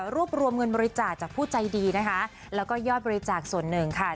รวมเงินบริจาคจากผู้ใจดีนะคะแล้วก็ยอดบริจาคส่วนหนึ่งค่ะ